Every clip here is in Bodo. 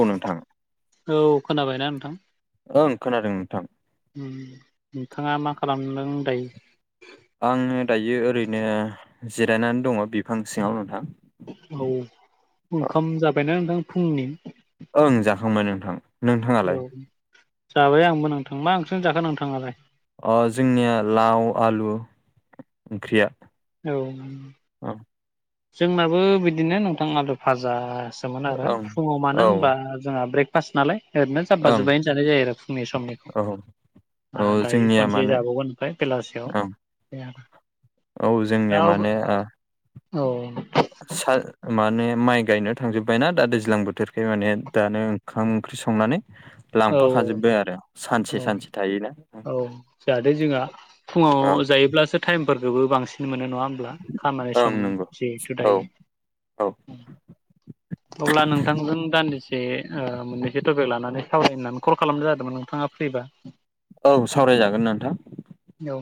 औ नोंथां औ खोनाबायना नोंथां ओं खोनादों नोंथां नोंथाङा मा खालामदों दायो आङो दायो ओरैनो जिरायनानै दङ बिफां सिङाव नोंथां औ ओंखाम जाबायना नोंथां फुंनि ओं जाखांबाय नोंथां औ नोंथाङालाय जाबाय आंबो नोंथां मा ओंख्रिजों जाखो नोंथाङालाय अ जोंनिया लाव आलु ओंख्रिया औ ओं जोंनाबो बिदिनो नोंथां आलु फाजा सोमोन‌ आरो औ फुङाव मानो होनबा जोंहा ब्रेकफास्ट नालाय ओरैनो जाब्बा ओं जुब्बायैनो जानाय जायो आरो फुंनि समनिखौ औ औ दायो जोंनिया खनसे माने जाबावगोन ओमफ्राय बेलासियाव ओं आरो औ जोंनिया माने आ औ सा माने माइ गायनो थांजोब्बायनाा दा दैज्लां बोथोरखाय माने दानो ओंखाम ओंख्रि संनानै औ लांफाखाजोबबाय आरो सानसे औ सानसे थायोना औ जाहाथे जोंहा फुङाव ओं जायोब्लासो टाइमफोरखौबो बांसिन मोनो नङा होमब्ला खामानि ओं सम नंगौ जिहेथु औ दायो औ अब्ला नोंथांजों दान्दिसे ओ मोननैसो टपिक लानानै सावरायनो होननानै कल खालामनाय जादोंमोन नोंथाङा फ्रिबा औ सावरायजागोन नोंथां औ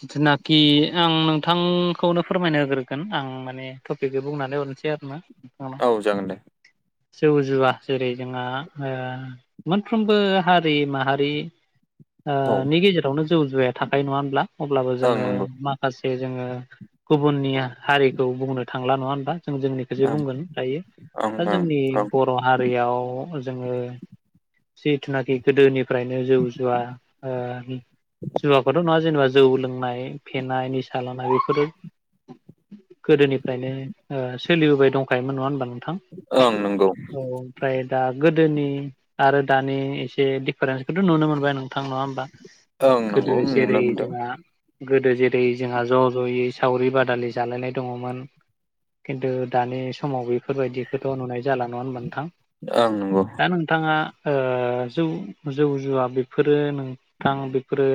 जिथुनाखि आं नोंथांखौनो फोरमायनो होग्रोगोन आं माने टपिकखौ बुंनानै हरनोसै आरोना नोंथांनाव औ जागोन दे जौ जुवा जेरै जोंहा ओ मोनफ्रोमबो हारि माहारिनि ओ औ नि गेजेर आवनो जौ जुवाया थाखायो नङा होनब्ला अब्लाबो ओं जोङो नंगौ मा खासे जोङो गुबुननि हारिखौ बुंनो थांला नङा होनबा जों जोंनिखौसो ओं बुंगोन दायो ओं दा ओं जोंनि ओं बर' हारियाव जोङो जिथुनाखि गोदोनिफ्रायनो जौ जुवा ओ जुवाखौथ नुवा जेनेबा जौ लोंनाय फेनाय निसा लानाय बेफोरो गोदोनिफ्रायनो ओ सोलिबोबाय दंखायोमोन नङा होनबा नोंथां ओं नंगौ। औ ओमफ्राय दा गोदोनि आरो दानि एसे दिडिफारेन्सखौथ' नुनो मोनबाय नों थां नङा होमबा ओं नंगौ गोदो जेरै नुनो मोनदों जोङा गोदो जेरै जोंहा ज' ज'यै सावरि बादालि जालायनाय दङमोन। खिन्थु दानि समाव बै फोरबायदिखौथ' नुनाय जाला नङा ओमबा नोंथां ओं नंगौ दा नोंथाङा ओ जौ जौ जुवा बेफोरो नोंथां बेफोरो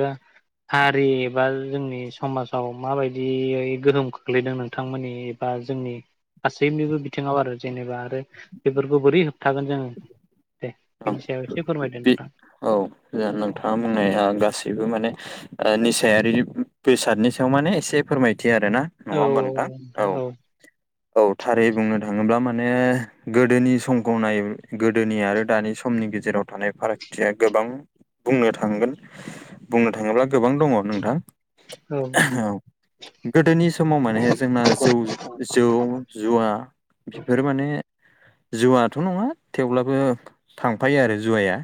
हारि एबा जोंनि समाजाव माबायदियै गोहोम खोख्लैदों नोंथांमोननि बा जोंनि गासैनिबो बिथिङाव आरो जेनेबा आरो बेफोरखौ बोरै होबथागोन जोङो दे ओं बेनि सायाव एसे फोरमायदों बे नोंथां। औ नोंथाङा बुंनाया गासैबो माने ओ निसायारि बेसादनि सायाव माने एसे फोरमायथि आरोना औ नङा ओमबा नोंथां औ। औ थारै बुंनो थाङोब्ला माने गोदोनि समखौ नाय गोदोनि आरो दानि समनि गेजेराव थानाय फारागथिया गोबां बुंनो थांगोन बुंनो थाङोब्ला गोबां दङ नोंथां। औ गोदोनि समाव माने जोंना जौ जौ जुवा बेफोर माने जुवाथ' नङा थेवब्लाबो थांफायो आरो जुवाया।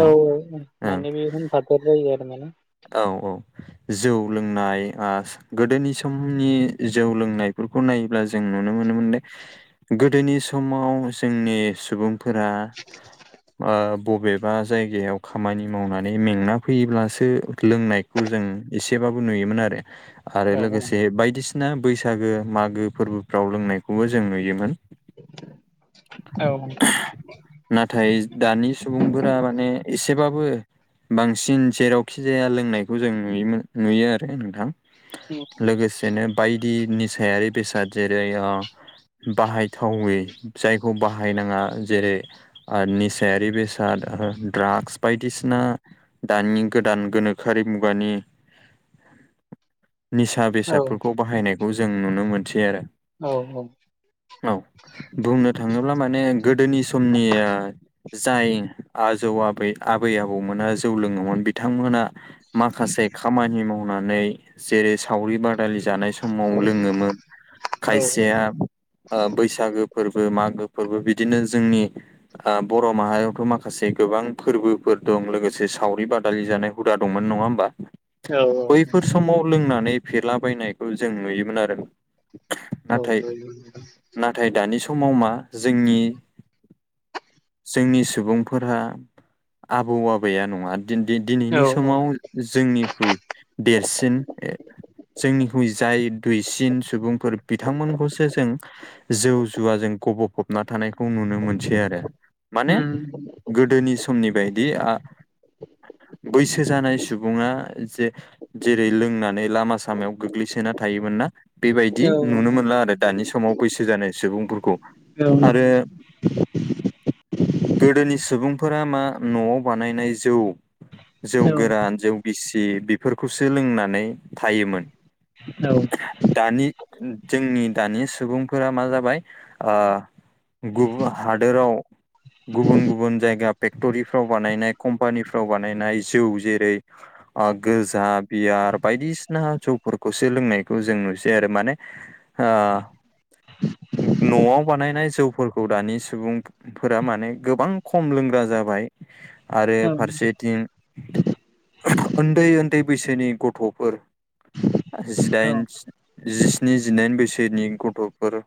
औ औ ओं माने बेयो होनफाथेर जायो आरो माने औ औ जौ लोंनाय आस गोदोनि समनि जौ लोंनायफोरखौ नायोब्ला जों नुनो मोनोमोन दे गोदोनि समाव जोंनि सुबुं फोरा ओ बबे बा जायगायाव खामानि मावनानै मेंना फैयोब्लासो लोंनायखौ जों एसेबाबो नुयोमोन आरो। आरो औ लोगोसे बायदिसिना बैसागो मागो फोरबोफ्राव लोंनायखौबो जों नुयोमोन। औ नोंथां। नाथाय दानि सुबुंफोरा माने एसेबाबो बांसिन जेरावखि जाया लोंनायखौ जों नुयोमोन नुयो आरो नोंथां। उम लोगोसेनो बायदि निसायारि बेसाद जेरै ओ बाहायथावै जायखौ बाहायनाङा जेरै आरो निसायारि बेसाद ड्रास बायदिसिना दानि गोदान गोनोखोआरि मुगानि [inaudible] निसा औ बेसादफोरखौ बाहायनायखौ जों नुनो मोनसै आरो। औ औ औ बुंनो थाङोब्ला माने गोदोनि समनिया जाय आजौ आबै आबै आबौमोना जौ लोङोमोन बिथांमोना माखासे खामानि मावनानै जेरै सावरि बादालि जानाय समाव लोङोमोन औ खायसेया ओ बैसागो फोरबो मागो फोरबो बिदिनो जोंनि ओ बर' माहारियावथ' माखासे गोबां फोरबोफोर दं लोगोसे सावरि बादालि जानाय। हुदा दंमोन नङा ओमबा? औ बैफोर समाव लोंनानै फेलाबायनायखौ जों नुयोमोन आरो। नाथाय औ [unintelligible] नाथाय दानि समाव मा जोंनि जोंनि सुबुंफोरा आबौ आबैया नङा दिनैनि समाव जोंनिख्रुइ देरसिन जोंनिख्रुइ जाय दुइसिन सुबुं फोर बिथांमोनखौसो जों जौ जुवाजों गबफबना थानायखौ नुनो मोनसै आरो माने गोदोनि समनि बायदि बैसो जानाय सुबुङा जे जेरै लोंनानै लामा सामायाव गोग्लैसोना थायोमोन ना। बिदि नुनो मोनला आरो दानि समाव बैसो जानाय सुबुंफोरखौ आरो गोदोनि सुबुंफोरा मा न'आव बानायनाय जौ जौ गोरान जौ गिसि बेफोरखौसो लोंनानै थायोमोन। औ दानि जोंनि दानि सुबुंफोरा मा जाबाय ओ गुबुन हादोराव गुबुन गुबुन जायगा फेक्टरिफ्राव बानायनाय कम्पानिफ्राव बानायनाय जौ जेरै गोजा बियार बायदिसिना जौफोरखौसो लोंनायखौ जों नुसै आरो माने न'आव बानायनाय जौफोरखौ दानि सुबुं फोर माने गोबां खम लोंग्रा जाबाय। आरो फारसेथिं उन्दै उन्दै बैसोनि गथ'फोर जिदाइन औ जिस्नि जिदाइन बैसोनि गथ'फोर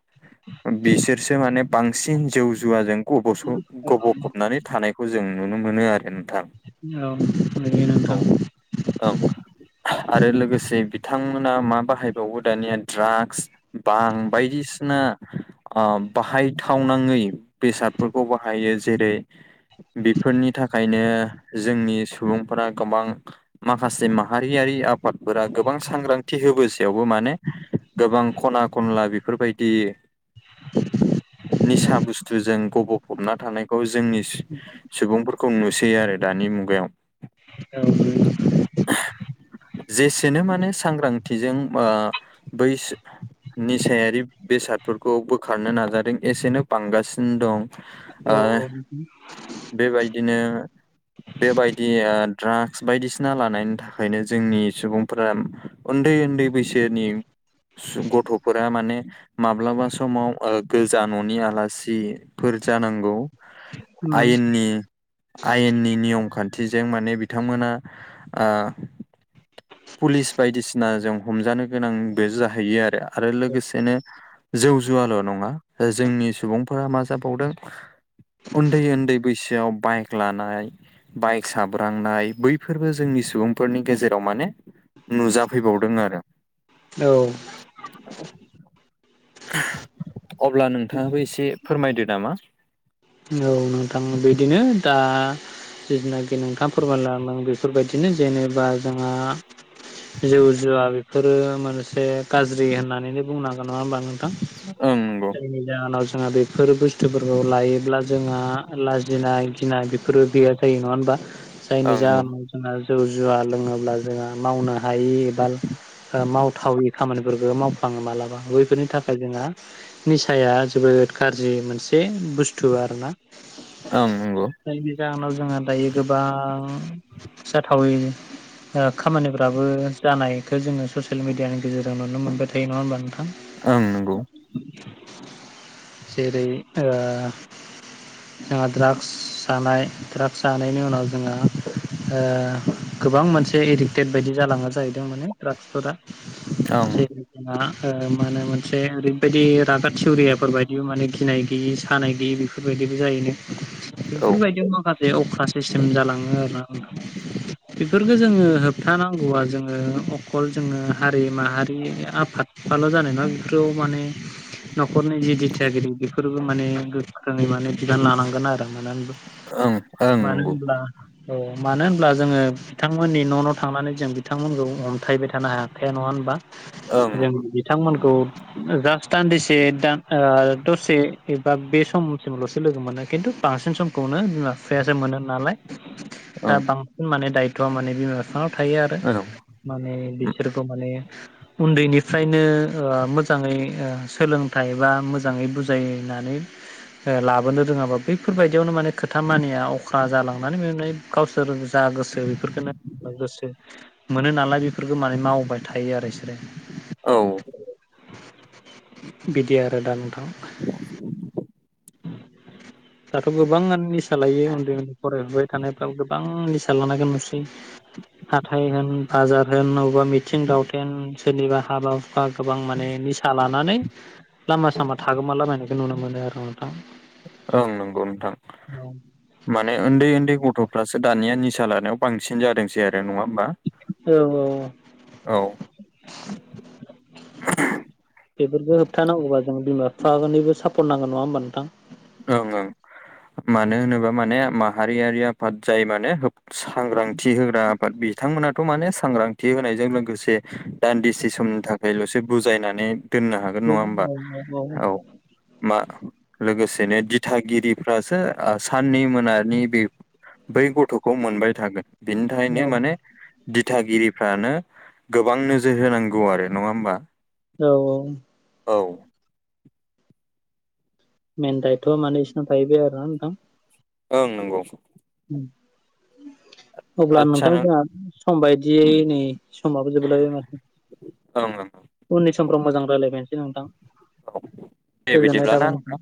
बिसोरसो माने बांसिन जौ जुवाजों गब'स' औ गब' औ गबनानै थानायखौ जों नुनो मोनो आरो नोंथां। औ नोंगौ नोंथां। औ आरो लोगोसे बिथांमोना मा बाहायबावो दानिया ड्राग्स बां बायदिसिना ओ बाहायथावनाङै बेसादफोरखौ बाहायो जेरै बेफोरनि थाखायनो जोंनि सुबुंफोरा गोबां माखासे माहारियारि आफादफोरा गोबां सांग्रांथि होबोसयावबो माने गोबां खना खनला बेफोरबायदि निसा बुस्थुजों गबफबना थानायखौ जोंनि सुबुंफोरखौ नुसैयो आरो दानि मुगायाव। औ जेसेनो माने सांग्रांथिजों बैसो निसायारि बेसादफोरखौ बोखारनो नाजादों एसेनो बांगासिनो दं। औ ओ औ बि बेबायदिनो बेबायदि ्राग्स बायदिसिना लानायनि थाखायनो जोंनि सुबुंफोरा उन्द उन्दै बैसोनि गथफोरा माने माब्लाबा समाव ओ गोजा न'नि आलासिफोर जानांगौ। आयनि आयेननि नियम खान्थिजों माने बिथांमोना ओ पुलिस बायदिसिना जों हमजानो गोनांबो जाहैयो आरो आरो लोगोसेनो जौ जुवाल' नङा जोंनि सुबुंफोरा मा जाबावदों उन्दै उन्दै बैसोआव बाइक लानाय बाइक साब्रांनाय बैफोरबो जोंनि सुबुंफोरनि गेजेराव माने नुजाफैबावदों आरो। औ अब्ला नोंथाङाबो एसे फोरमायदो नामा? औ नंगौ आं बिदिनो दा। जिनाखि नोंथां फोरमायलांदों बेफोरबायदिनो जेनेबा जोंहा जौ जुवा बेफोरो मोनसे गाज्रि होननानैनो बुंनांगोन नङा होमबा नोंथां? ओं नंगौ जायनि जाहोनाव जोंहा बेफोर बुस्थुफोरखौ लायोब्ला जोंहा लाजिनाय गिनाय बेफोरबो गैया जायो नङा हबा जायनि ओं नंगौ जाहोनाव जों जौ जुवा लोंङोब्ला जोहा मावनो हायि एबा मावथावि खामानिफोरखौ मावफ्लांङो मालाबा बैफोरनि थाखाय जोंहा निसाया जोबोद गाज्रि मोनसे बुस्थु आरो ना ओं नंगौ नि जाहोनाव जोंहा दायो गोबां जाथावै खामानिफ्राबो जानायखौ जोङो ससियेल मिडियानि गेजेरजों नुनो मोनबाय थायो नंङा होमबा नोंथां। ओं नंगौ जेरै ओ जोंहा ड्राग्स जानाय ड्राग्स जानायनि उनाव जोहा गोबां मोनसे एडिक्टेद बायदि जालांङो जाहैदों माने ड्राग्सफोरा। ओं नंगौ [unintelligible] ओ माने मोनसे ओरैबायदि रागत सउरियाफोर बायदि माने गिनाय गैयि सानाय गैयि बेफोर बेफोरबायदिबो जाहोन ओं औ बेफोरबायदियाव माखासे अख्रा सिस्टेम जालांङो आरोना बेफोरखौ जोंङो होबथानांगौआ जोंङो अखल जोंङो हारि माहारि आफाद। फाल' जानाय ना बेफोराव माने न'खरनि जि दिथियागिरि बेफोरबो माने गोखोङै माने बिबान लानांगोन आरो ओं ओं मानो नंगौ होनब्ला औ मानो होनब्ला जोंङो बिथांमोननि न' न' थांनानै जों बिथांमोनखौ हमथायबाय थानो हायाखै। नंङा होनबा औं जों बिथांमोनखौ जास्ट दान्दिसे दसे एबा बे समसिमल'सो लोगो मोनो खिन्थु बांसिन समखौनो बिमा बिफायासो मोनो नालाय दा ओं ओं बांसिन माने दायथ'आ माने बिमा बिफांनाव थायो आरो माने बिसोरखौ माने। उन्दैनिफ्रायनो मोजाङै सोलोंथाइ बा मोजांङै बुजायनानै लाबोनो रोङाबा बैफोरबायदियावनो माने खोथा मानिया अखा जालांनानै बेे गावसोर जा गोसो बेफोरखौ गोसो मोनो नालाय बेफोरखौ माने मावबाय थायो आरो बिसोरो औ बिदि आरो दा नोंथां [inaudible] दाथ' गोबांङानो निसा लायो उन्दै उन्दै फरायहरबाय थानायफ्राब गोबां निसा [unintelligible] हाथाय होन बाजार होन बबेबा मिथिं दावथेन सोलिबा हाबा बा गोबां माने निसा लानानै लामा सामा थागौमालाबायनायखौ नुनो मोनो आरो औ ओं नंगौ नोंथां माने उन्दै उन्दै गथ'फ्रासो दानिया निसा लानायाव बांसिन जादोंसै आरो नंङा होमबा औ औ औ बेफोरफोरखौ होबथानांगौबा जों बिमा बिफानिबो सापर्ट नांगोन नंङा होमबा नोंथां ओं ओं मानो होनोबा माने माहारियारि आफाद जाय माने सांग्रांथि होग्रा बाट बिथांमोनाथ' माने सांग्रांथि होनायजों लोगोसे दान्दिसे समनि थाखायल'सो बुजायनानै दोननो हागोन नंङा होमबा औ मा लोगोसे बिदिनो दिथागिरिफ्रासो सानन मोनानि बे बै गथ'खौ मोनबाय थागोन बिनि थाखायनो माने दिथागिरिफ्रानो गोबां नोजोर होनांगौ आरो नंङा होमबा औ औ औ मेन दायथ' माने इसोरना थाहैबाय आरो ना नोंथां। ओं नोंगौ अब्ला आदसा नों नोंथांमोनहा सम बायदियै नै सममाबो जोबलाय माथो ओं ओं ओं उननि समफ्राव मोजां रायलायबायनोसै नोंथां दे गोजोननाय बिदिब्ला ना थाबाय नोंथां